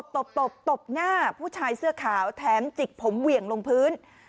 ตบตบตบหน้าผู้ชายเสื้อขาวแถมจิกผมเหวี่ยงลงพื้น